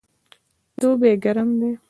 دوبی ګرم دی